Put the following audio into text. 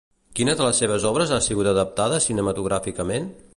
Quina de les seves obres ha sigut adaptada cinematogràficament?